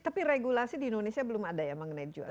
tapi regulasi di indonesia belum ada ya mengenai jual